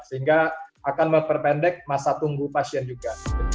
sehingga akan memperpendek masa tunggu pasien juga